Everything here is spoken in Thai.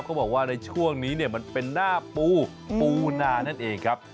เขาบอกว่าในช่วงนี้เนี่ยมันเป็นหน้าปูปูนานั่นเองครับ